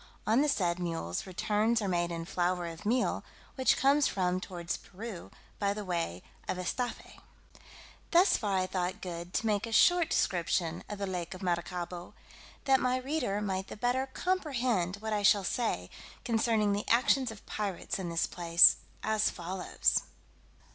On the said mules returns are made in flour of meal, which comes from towards Peru, by the way of Estaffe. Thus far I thought good to make a short description of the lake of Maracaibo, that my reader might the better comprehend what I shall say concerning the actions of pirates in this place, as follows.